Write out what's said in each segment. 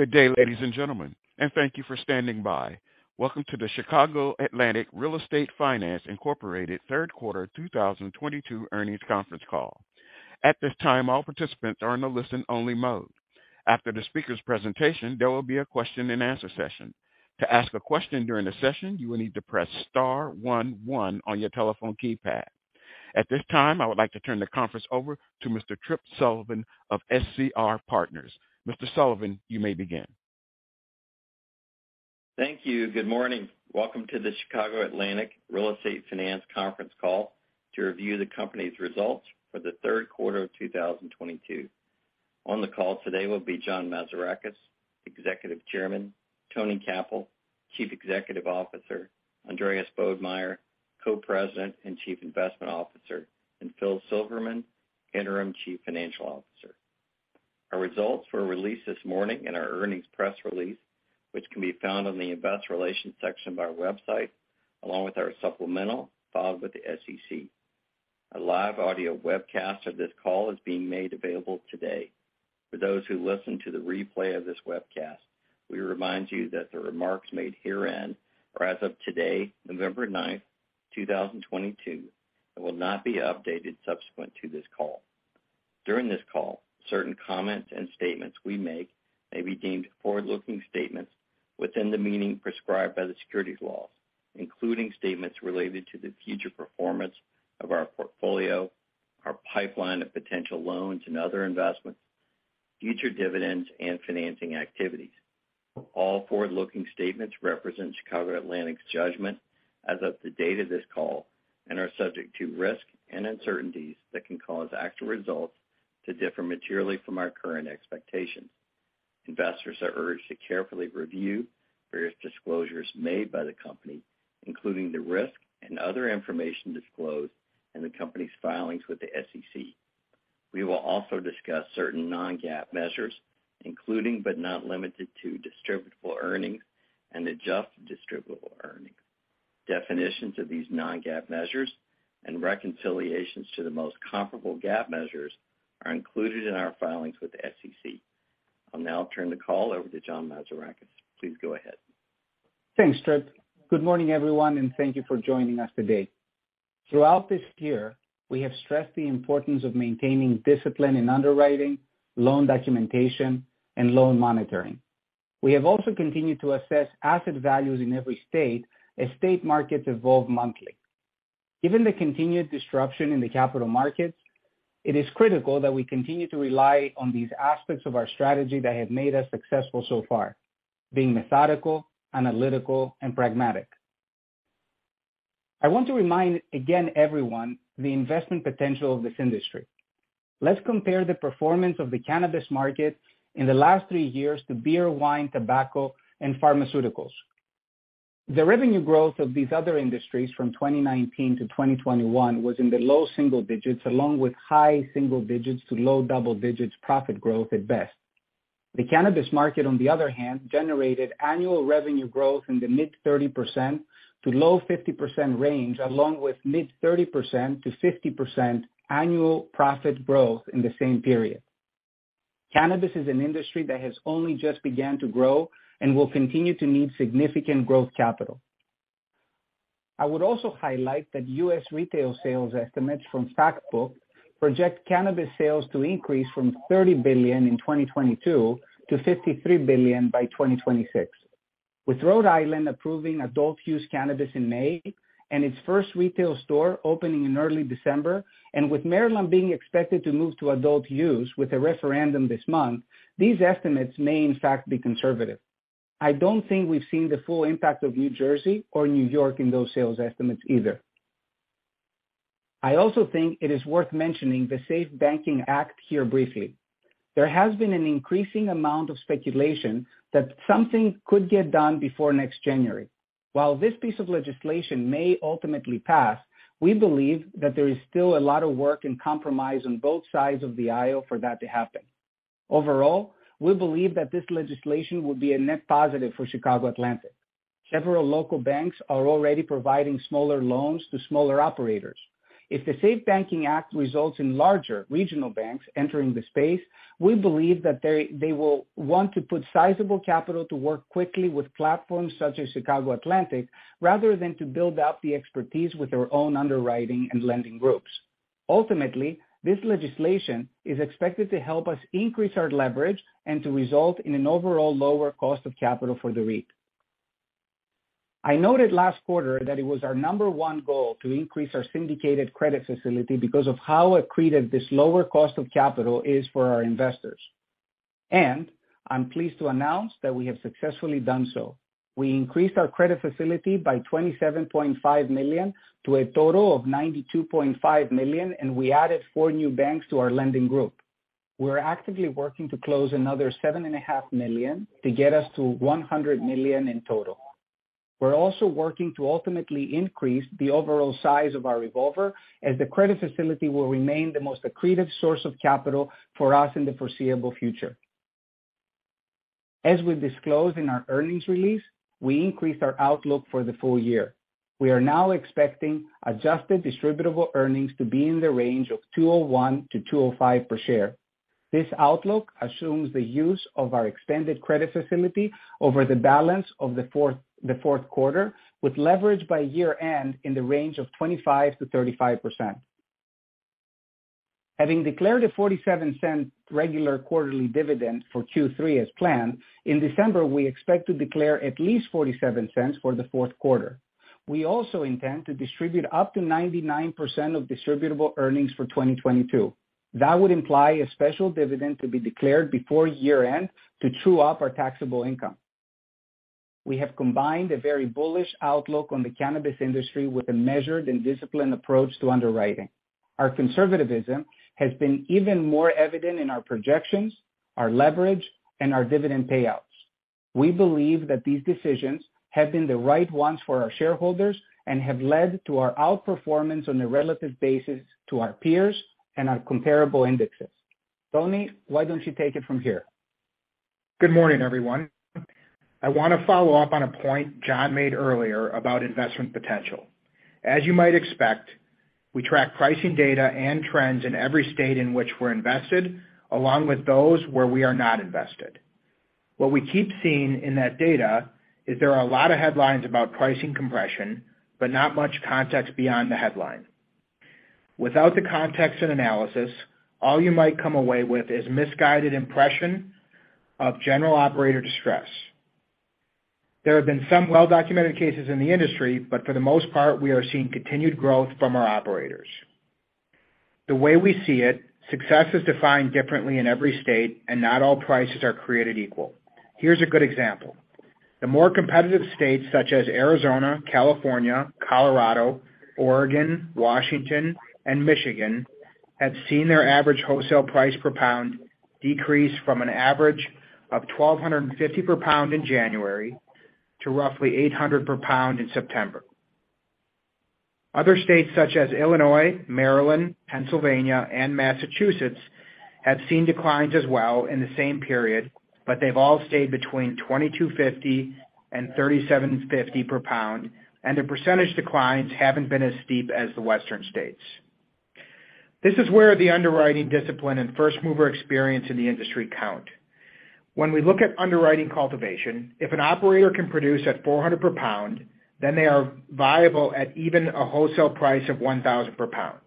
Good day, ladies and gentlemen, and thank you for standing by. Welcome to the Chicago Atlantic Real Estate Finance, Inc. third quarter 2022 earnings conference call. At this time, all participants are in a listen-only mode. After the speaker's presentation, there will be a question-and-answer session. To ask a question during the session, you will need to press star one one on your telephone keypad. At this time, I would like to turn the conference over to Mr. Tripp Sullivan of SCR Partners. Mr. Sullivan, you may begin. Thank you. Good morning. Welcome to the Chicago Atlantic Real Estate Finance conference call to review the company's results for the third quarter of 2022. On the call today will be John Mazarakis, Executive Chairman, Anthony Cappell, Co-Chief Executive Officer, Andreas Bodmeier, Co-President and Chief Investment Officer, and Phil Silverman, Interim Chief Financial Officer. Our results were released this morning in our earnings press release, which can be found on the investor relations section of our website, along with our supplementals filed with the SEC. A live audio webcast of this call is being made available today. For those who listen to the replay of this webcast, we remind you that the remarks made herein are as of today, November ninth, 2022, and will not be updated subsequent to this call. During this call, certain comments and statements we make may be deemed forward-looking statements within the meaning prescribed by the securities laws, including statements related to the future performance of our portfolio, our pipeline of potential loans and other investments, future dividends, and financing activities. All forward-looking statements represent Chicago Atlantic's judgment as of the date of this call and are subject to risk and uncertainties that can cause actual results to differ materially from our current expectations. Investors are urged to carefully review various disclosures made by the company, including the risk and other information disclosed in the company's filings with the SEC. We will also discuss certain non-GAAP measures, including, but not limited to Distributable Earnings and Adjusted Distributable Earnings. Definitions of these non-GAAP measures and reconciliations to the most comparable GAAP measures are included in our filings with the SEC. I'll now turn the call over to John Mazarakis. Please go ahead. Thanks, Tripp. Good morning, everyone, and thank you for joining us today. Throughout this year, we have stressed the importance of maintaining discipline in underwriting, loan documentation, and loan monitoring. We have also continued to assess asset values in every state as state markets evolve monthly. Given the continued disruption in the capital markets, it is critical that we continue to rely on these aspects of our strategy that have made us successful so far, being methodical, analytical, and pragmatic. I want to remind again everyone the investment potential of this industry. Let's compare the performance of the cannabis market in the last three years to beer, wine, tobacco, and pharmaceuticals. The revenue growth of these other industries from 2019-2021 was in the low single digits, along with high single digits to low double digits profit growth at best. The cannabis market, on the other hand, generated annual revenue growth in the mid-30%-low-50% range, along with mid-30%-50% annual profit growth in the same period. Cannabis is an industry that has only just began to grow and will continue to need significant growth capital. I would also highlight that U.S. retail sales estimates from BDSA project cannabis sales to increase from $30 billion in 2022 to $53 billion by 2026. With Rhode Island approving adult use cannabis in May and its first retail store opening in early December, and with Maryland being expected to move to adult use with a referendum this month, these estimates may in fact be conservative. I don't think we've seen the full impact of New Jersey or New York in those sales estimates either. I also think it is worth mentioning the SAFE Banking Act here briefly. There has been an increasing amount of speculation that something could get done before next January. While this piece of legislation may ultimately pass, we believe that there is still a lot of work and compromise on both sides of the aisle for that to happen. Overall, we believe that this legislation will be a net positive for Chicago Atlantic. Several local banks are already providing smaller loans to smaller operators. If the SAFE Banking Act results in larger regional banks entering the space, we believe that they will want to put sizable capital to work quickly with platforms such as Chicago Atlantic, rather than to build out the expertise with their own underwriting and lending groups. Ultimately, this legislation is expected to help us increase our leverage and to result in an overall lower cost of capital for the REIT. I noted last quarter that it was our number one goal to increase our syndicated credit facility because of how accretive this lower cost of capital is for our investors. I'm pleased to announce that we have successfully done so. We increased our credit facility by $27.5 million to a total of $92.5 million, and we added four new banks to our lending group. We're actively working to close another $7.5 million to get us to $100 million in total. We're also working to ultimately increase the overall size of our revolver as the credit facility will remain the most accretive source of capital for us in the foreseeable future. As we disclosed in our earnings release, we increased our outlook for the full year. We are now expecting adjusted distributable earnings to be in the range of $2.01-$2.05 per share. This outlook assumes the use of our extended credit facility over the balance of the fourth quarter, with leverage by year-end in the range of 25%-35%. Having declared a $0.47 regular quarterly dividend for Q3 as planned, in December, we expect to declare at least $0.47 for the fourth quarter. We also intend to distribute up to 99% of distributable earnings for 2022. That would imply a special dividend to be declared before year-end to true up our taxable income. We have combined a very bullish outlook on the cannabis industry with a measured and disciplined approach to underwriting. Our conservativism has been even more evident in our projections, our leverage, and our dividend payouts. We believe that these decisions have been the right ones for our shareholders and have led to our outperformance on a relative basis to our peers and our comparable indexes. Tony, why don't you take it from here? Good morning, everyone. I want to follow up on a point John made earlier about investment potential. As you might expect, we track pricing data and trends in every state in which we're invested, along with those where we are not invested. What we keep seeing in that data is there are a lot of headlines about pricing compression, but not much context beyond the headline. Without the context and analysis, all you might come away with is misguided impression of general operator distress. There have been some well-documented cases in the industry, but for the most part, we are seeing continued growth from our operators. The way we see it, success is defined differently in every state, and not all prices are created equal. Here's a good example. The more competitive states such as Arizona, California, Colorado, Oregon, Washington, and Michigan have seen their average wholesale price per pound decrease from an average of $1,250 per pound in January to roughly $800 per pound in September. Other states such as Illinois, Maryland, Pennsylvania, and Massachusetts have seen declines as well in the same period, but they've all stayed between $2,250 and $3,750 per pound, and the percentage declines haven't been as steep as the Western states. This is where the underwriting discipline and first-mover experience in the industry count. When we look at underwriting cultivation, if an operator can produce at $400 per pound, then they are viable at even a wholesale price of $1,000 per pound.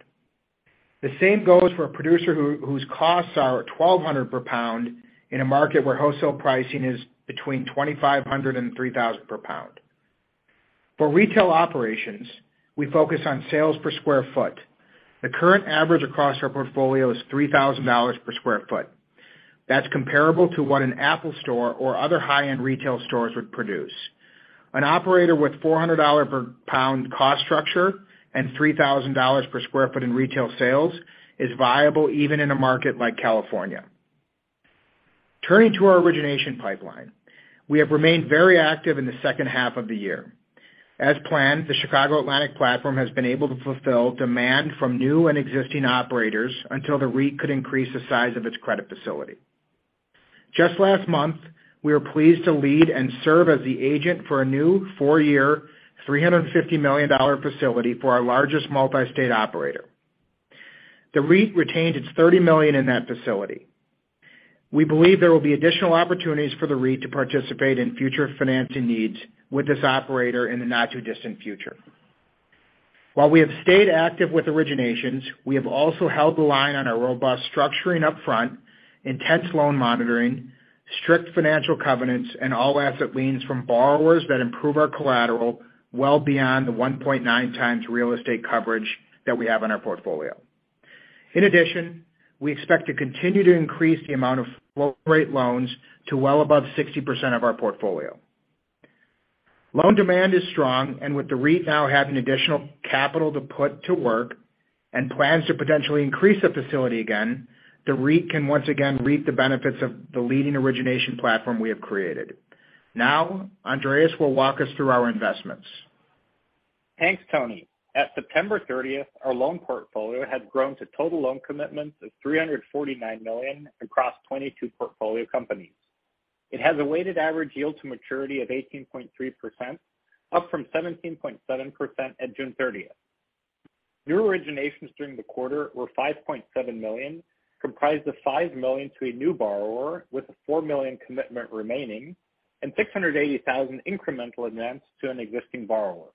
The same goes for a producer whose costs are at $1,200 per pound in a market where wholesale pricing is between $2,500 and $3,000 per pound. For retail operations, we focus on sales per sq ft. The current average across our portfolio is $3,000 per sq ft. That's comparable to what an Apple Store or other high-end retail stores would produce. An operator with $400 per pound cost structure and $3,000 per sq ft in retail sales is viable even in a market like California. Turning to our origination pipeline. We have remained very active in the second half of the year. As planned, the Chicago Atlantic platform has been able to fulfill demand from new and existing operators until the REIT could increase the size of its credit facility. Just last month, we were pleased to lead and serve as the agent for a new 4-year, $350 million facility for our largest multi-state operator. The REIT retained its $30 million in that facility. We believe there will be additional opportunities for the REIT to participate in future financing needs with this operator in the not-too-distant future. While we have stayed active with originations, we have also held the line on our robust structuring upfront, intense loan monitoring, strict financial covenants, and all asset liens from borrowers that improve our collateral well beyond the 1.9x real estate coverage that we have in our portfolio. In addition, we expect to continue to increase the amount of float rate loans to well above 60% of our portfolio. Loan demand is strong, and with the REIT now having additional capital to put to work and plans to potentially increase the facility again, the REIT can once again reap the benefits of the leading origination platform we have created. Now, Andreas will walk us through our investments. Thanks, Tony. At September thirtieth, our loan portfolio has grown to total loan commitments of $349 million across 22 portfolio companies. It has a weighted average yield to maturity of 18.3%, up from 17.7% at June thirtieth. New originations during the quarter were $5.7 million, comprised of $5 million to a new borrower with a $4 million commitment remaining, and $680 thousand incremental advance to an existing borrower.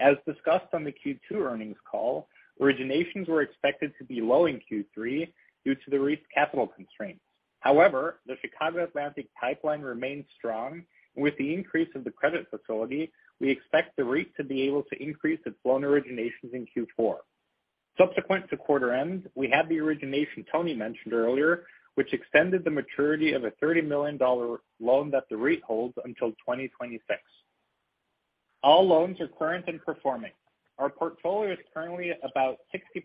As discussed on the Q2 earnings call, originations were expected to be low in Q3 due to the REIT's capital constraints. However, the Chicago Atlantic pipeline remains strong, and with the increase of the credit facility, we expect the REIT to be able to increase its loan originations in Q4. Subsequent to quarter end, we had the origination Tony mentioned earlier, which extended the maturity of a $30 million loan that the REIT holds until 2026. All loans are current and performing. Our portfolio is currently about 60%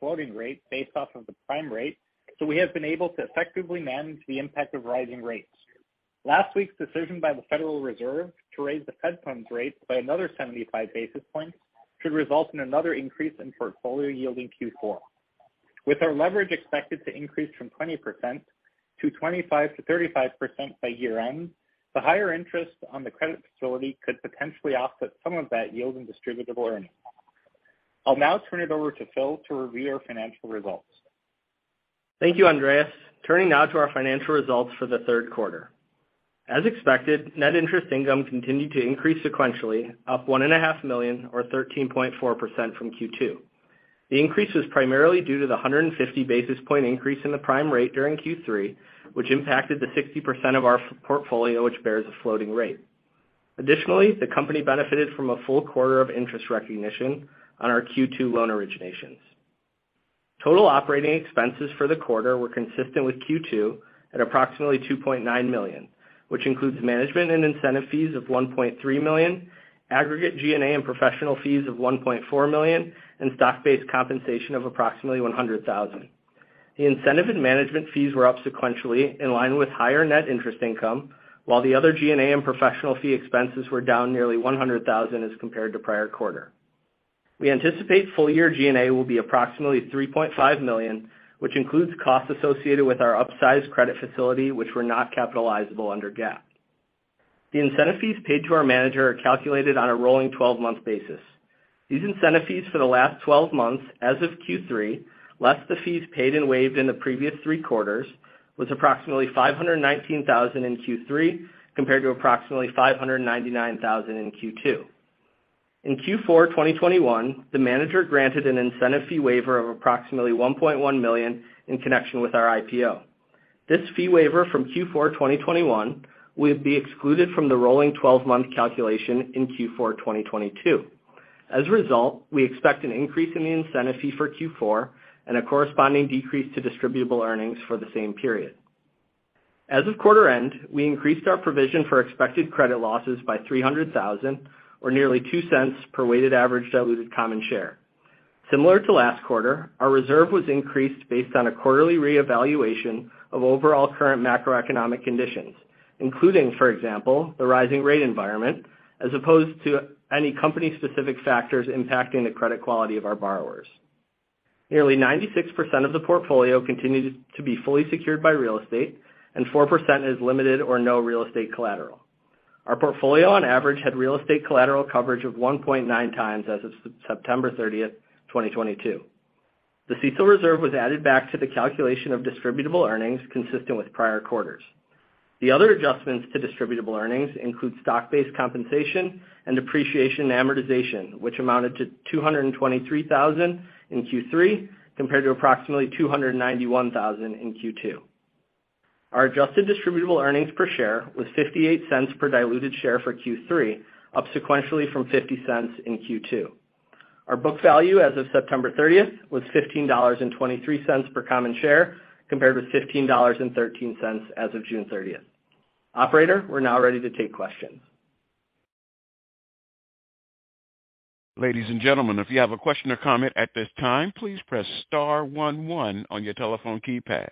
floating rate based off of the prime rate, so we have been able to effectively manage the impact of rising rates. Last week's decision by the Federal Reserve to raise the federal funds rate by another 75 basis points should result in another increase in portfolio yield in Q4. With our leverage expected to increase from 20%-25%-35% by year-end, the higher interest on the credit facility could potentially offset some of that yield and Distributable Earnings. I'll now turn it over to Phil to review our financial results. Thank you, Andreas. Turning now to our financial results for the third quarter. As expected, net interest income continued to increase sequentially, up $1.5 million or 13.4% from Q2. The increase was primarily due to the 150 basis point increase in the prime rate during Q3, which impacted the 60% of our floating portfolio which bears a floating rate. Additionally, the company benefited from a full quarter of interest recognition on our Q2 loan originations. Total operating expenses for the quarter were consistent with Q2 at approximately $2.9 million, which includes management and incentive fees of $1.3 million, aggregate G&A and professional fees of $1.4 million, and stock-based compensation of approximately $100,000. The incentive and management fees were up sequentially in line with higher net interest income, while the other G&A and professional fee expenses were down nearly $100,000 as compared to prior quarter. We anticipate full year G&A will be approximately $3.5 million, which includes costs associated with our upsized credit facility which were not capitalizable under GAAP. The incentive fees paid to our manager are calculated on a rolling twelve-month basis. These incentive fees for the last twelve months as of Q3, less the fees paid and waived in the previous three quarters, was approximately $519,000 in Q3 compared to approximately $599,000 in Q2. In Q4 2021, the manager granted an incentive fee waiver of approximately $1.1 million in connection with our IPO. This fee waiver from Q4 2021 will be excluded from the rolling twelve-month calculation in Q4 2022. As a result, we expect an increase in the incentive fee for Q4 and a corresponding decrease to Distributable Earnings for the same period. As of quarter end, we increased our provision for expected credit losses by $300,000, or nearly $0.02 per weighted average diluted common share. Similar to last quarter, our reserve was increased based on a quarterly reevaluation of overall current macroeconomic conditions, including, for example, the rising rate environment, as opposed to any company-specific factors impacting the credit quality of our borrowers. Nearly 96% of the portfolio continued to be fully secured by real estate, and 4% has limited or no real estate collateral. Our portfolio on average had real estate collateral coverage of 1.9x as of September 30, 2022. The CECL reserve was added back to the calculation of Distributable Earnings consistent with prior quarters. The other adjustments to Distributable Earnings include stock-based compensation and depreciation and amortization, which amounted to $223,000 in Q3 compared to approximately $291,000 in Q2. Our Adjusted Distributable Earnings per share was $0.58 per diluted share for Q3, up sequentially from $0.50 in Q2. Our book value as of September 30 was $15.23 per common share compared with $15.13 as of June 30. Operator, we're now ready to take questions. Ladies and gentlemen, if you have a question or comment at this time, please press star one one on your telephone keypad.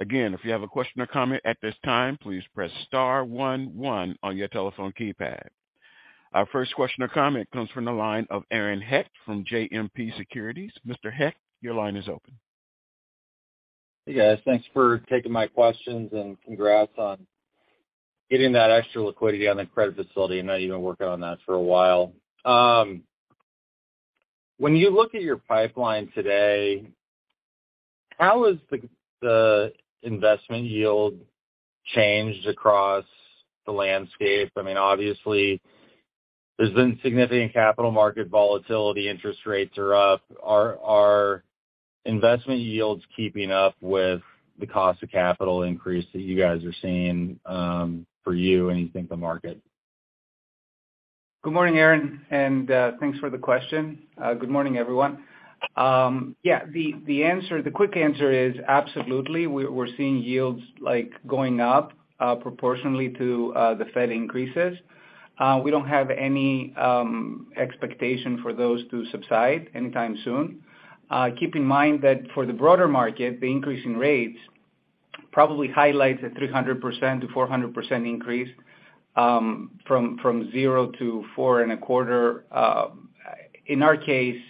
Again, if you have a question or comment at this time, please press star one one on your telephone keypad. Our first question or comment comes from the line of Aaron Hecht from JMP Securities. Mr. Hecht, your line is open. Hey, guys. Thanks for taking my questions, and congrats on getting that extra liquidity on the credit facility. I know you've been working on that for a while. When you look at your pipeline today, how has the investment yield changed across the landscape? I mean, obviously there's been significant capital market volatility. Interest rates are up. Are investment yields keeping up with the cost of capital increase that you guys are seeing, for you and what you think the market? Good morning, Aaron, and thanks for the question. Good morning, everyone. Yeah, the quick answer is absolutely. We're seeing yields like going up proportionally to the Fed increases. We don't have any expectation for those to subside anytime soon. Keep in mind that for the broader market, the increase in rates probably highlights a 300%-400% increase from 0-4.25. In our case,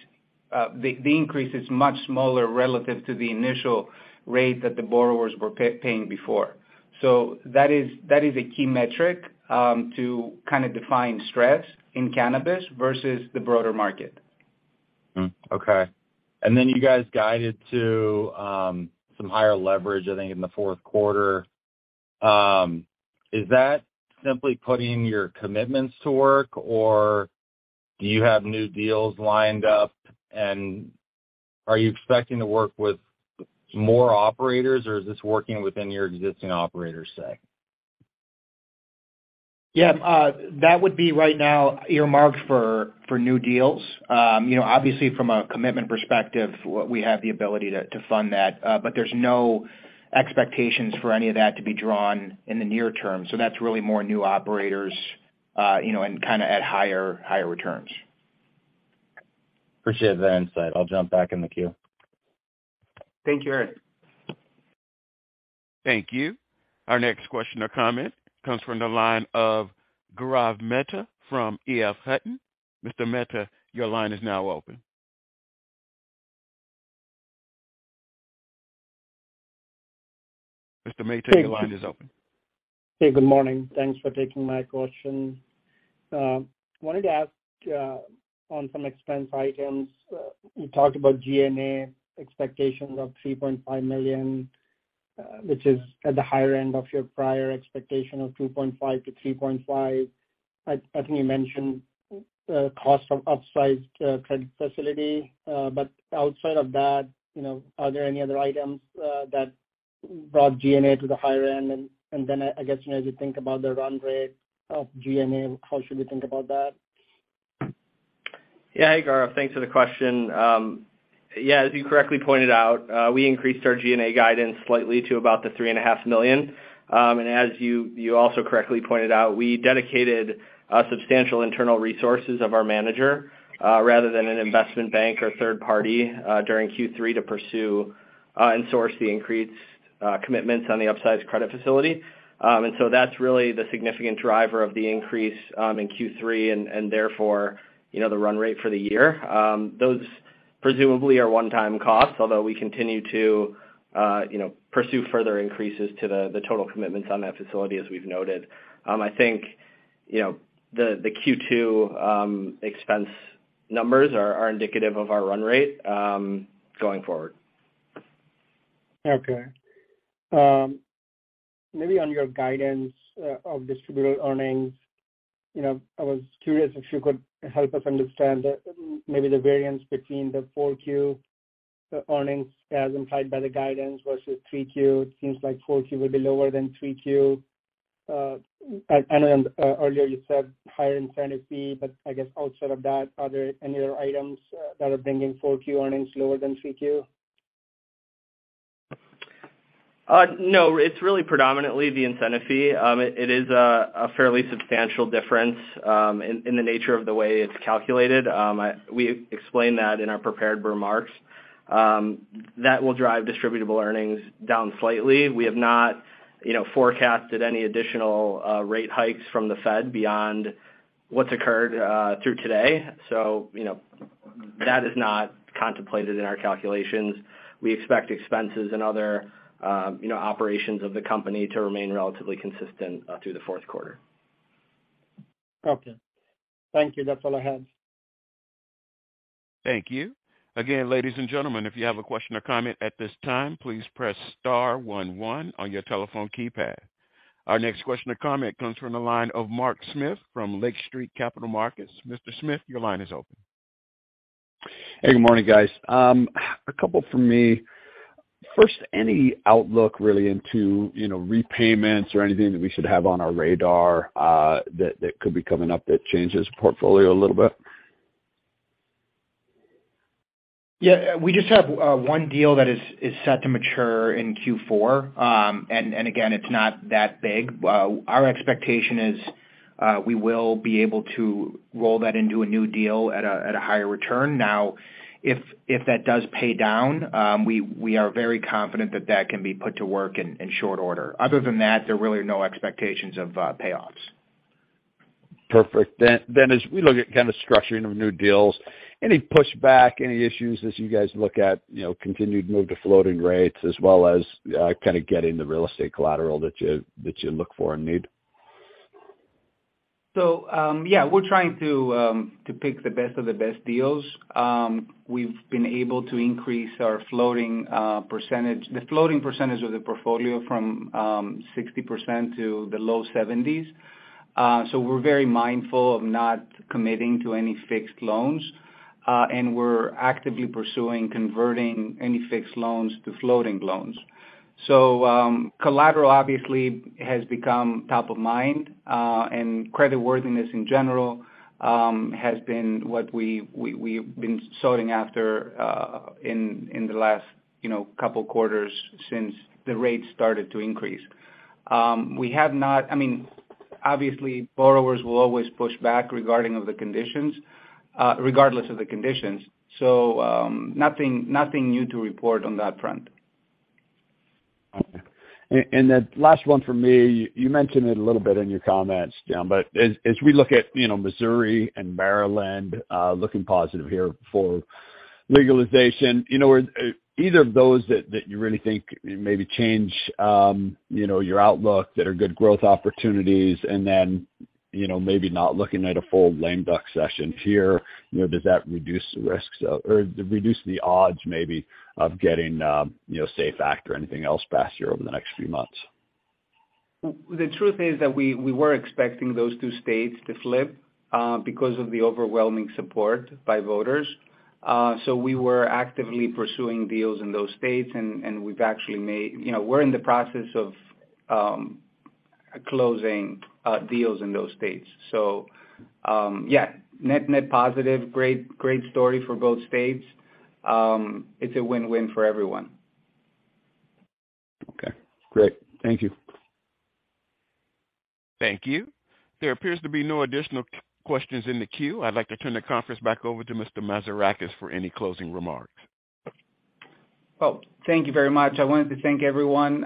the increase is much smaller relative to the initial rate that the borrowers were paying before. That is a key metric to kind of define stress in cannabis versus the broader market. You guys guided to some higher leverage, I think, in the fourth quarter. Is that simply putting your commitments to work, or do you have new deals lined up, and are you expecting to work with more operators, or is this working within your existing operator set? That would be right now earmarked for new deals. You know, obviously from a commitment perspective, we have the ability to fund that. There's no expectations for any of that to be drawn in the near term. That's really more new operators, you know, and kind of at higher returns. Appreciate that insight. I'll jump back in the queue. Thank you, Aaron. Thank you. Our next question or comment comes from the line of Gaurav Mehta from EF Hutton. Mr. Mehta, your line is now open. Mr. Mehta, your line is open. Hey. Good morning. Thanks for taking my question. Wanted to ask on some expense items. You talked about G&A expectations of $3.5 million, which is at the higher end of your prior expectation of $2.5-$3.5 million. I think you mentioned cost from upsized credit facility. But outside of that, you know, are there any other items that brought G&A to the higher end? Then I guess, you know, as you think about the run rate of G&A, how should we think about that? Yeah. Hey, Gaurav. Thanks for the question. Yeah, as you correctly pointed out, we increased our G&A guidance slightly to about $3.5 million. As you also correctly pointed out, we dedicated substantial internal resources of our manager rather than an investment bank or third party during Q3 to pursue and source the increased commitments on the upsized credit facility. That's really the significant driver of the increase in Q3 and therefore you know the run rate for the year. Those presumably are one-time costs, although we continue to you know pursue further increases to the total commitments on that facility, as we've noted. I think you know the Q2 expense numbers are indicative of our run rate going forward. Okay. Maybe on your guidance of Distributable Earnings, you know, I was curious if you could help us understand maybe the variance between the 4Q, the earnings as implied by the guidance versus 3Q. It seems like 4Q will be lower than 3Q. I know earlier you said higher incentive fee, but I guess outside of that, are there any other items that are bringing 4Q earnings lower than 3Q? No, it's really predominantly the incentive fee. It is a fairly substantial difference in the nature of the way it's calculated. We explained that in our prepared remarks. That will drive Distributable Earnings down slightly. We have not, you know, forecasted any additional rate hikes from the Fed beyond what's occurred through today. You know, that is not contemplated in our calculations. We expect expenses and other, you know, operations of the company to remain relatively consistent through the fourth quarter. Okay. Thank you. That's all I have. Thank you. Again, ladies and gentlemen, if you have a question or comment at this time, please press star one one on your telephone keypad. Our next question or comment comes from the line of Mark Smith from Lake Street Capital Markets. Mr. Smith, your line is open. Hey, good morning, guys. A couple from me. First, any outlook really into, you know, repayments or anything that we should have on our radar, that could be coming up that changes portfolio a little bit? Yeah, we just have one deal that is set to mature in Q4. Again, it's not that big. Our expectation is we will be able to roll that into a new deal at a higher return. Now, if that does pay down, we are very confident that that can be put to work in short order. Other than that, there really are no expectations of payoffs. Perfect. As we look at kinda structuring of new deals, any pushback, any issues as you guys look at, you know, continued move to floating rates as well as, kinda getting the real estate collateral that you look for and need? Yeah, we're trying to pick the best of the best deals. We've been able to increase our floating percentage of the portfolio from 60% to the low 70s. We're very mindful of not committing to any fixed loans, and we're actively pursuing converting any fixed loans to floating loans. Collateral obviously has become top of mind, and creditworthiness in general has been what we've been after in the last, you know, couple quarters since the rates started to increase. I mean, obviously borrowers will always push back regardless of the conditions. Nothing new to report on that front. Okay. The last one for me, you mentioned it a little bit in your comments, John, but as we look at, you know, Missouri and Maryland looking positive here for legalization, you know, either of those that you really think maybe change, you know, your outlook, that are good growth opportunities, and then, you know, maybe not looking at a full lame duck session here, you know, does that reduce the risks of or reduce the odds maybe of getting, you know, SAFE Act or anything else passed here over the next few months? The truth is that we were expecting those two states to flip because of the overwhelming support by voters. We were actively pursuing deals in those states, and you know, we're in the process of closing deals in those states. Yeah, net positive. Great story for both states. It's a win-win for everyone. Okay, great. Thank you. Thank you. There appears to be no additional questions in the queue. I'd like to turn the conference back over to Mr. Mazarakis for any closing remarks. Well, thank you very much. I wanted to thank everyone.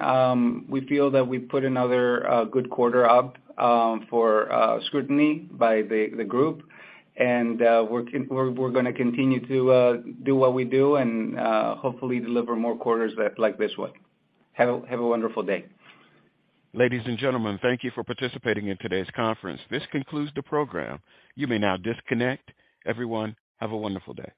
We feel that we've put another good quarter up for scrutiny by the group. We're gonna continue to do what we do and hopefully deliver more quarters that like this one. Have a wonderful day. Ladies and gentlemen, thank you for participating in today's conference. This concludes the program. You may now disconnect. Everyone, have a wonderful day.